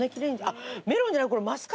あっメロンじゃない。